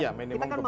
ya minimum kebutuhan